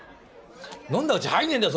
飲んだうち入んねえんだよ。